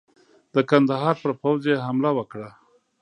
د کندهار پر پوځ یې حمله وکړه.